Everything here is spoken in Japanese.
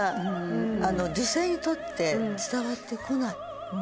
女性にとって伝わってこない。